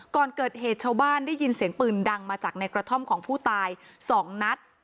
ก่อนเกิดเหตุชาวบ้านได้ยินเสียงปืนดังมาจากในกระท่อมของผู้ตาย๒นัด